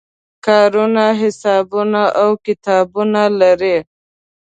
کارونه حسابونه او کتابونه لري.